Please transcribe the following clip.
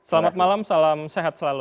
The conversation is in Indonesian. selamat malam salam sehat selalu